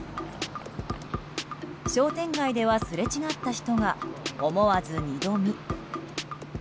商店街では、すれ違った人が思わず二度見。